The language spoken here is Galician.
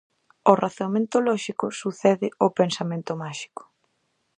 Ao razoamento lóxico sucede o pensamento máxico.